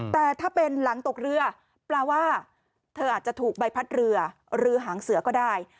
แต่ถ้าเป็นหลังตกเรือแปลว่าเธออาจจะถูกใบพัดเรือหรือหางเสือก็ได้